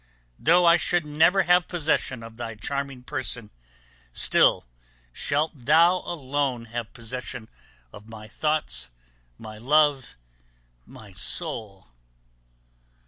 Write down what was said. Though I should never have possession of thy charming person, still shalt thou alone have possession of my thoughts, my love, my soul.